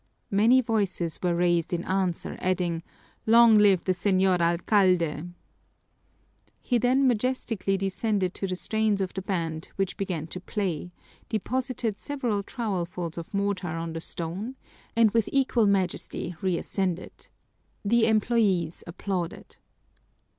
Many voices were raised in answer, adding, "Long live the Señor Alcalde!" He then majestically descended to the strains of the band, which began to play, deposited several trowelfuls of mortar on the stone, and with equal majesty reascended. The employees applauded.